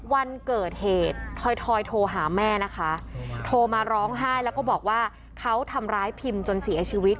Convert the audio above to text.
วันเกิดเหตุทอยทอยโทรหาแม่นะคะโทรมาร้องไห้แล้วก็บอกว่าเขาทำร้ายพิมจนเสียชีวิต